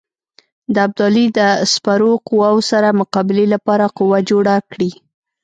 د ابدالي د سپرو قواوو سره مقابلې لپاره قوه جوړه کړي.